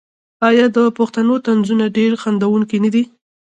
آیا د پښتنو طنزونه ډیر خندونکي نه دي؟